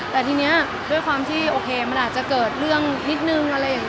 แต่ทีนี้มันอาจจะเกิดเรื่องนิดนึงนิดนึง